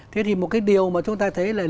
thế thì một cái điều mà chúng ta thấy là